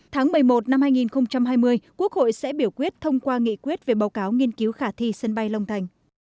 tháng một mươi một năm hai nghìn hai mươi quốc hội sẽ biểu quyết thông qua nghị quyết về báo cáo nghiên cứu khả thi sân bay long thành